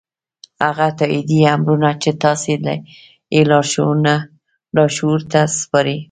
هغه تايیدي امرونه چې تاسې یې لاشعور ته سپارئ